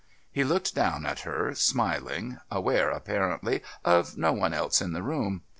He looked down at her, smiling, aware, apparently, of no one else in the room.